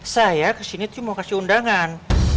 saya kesini tuh mau kasih undangan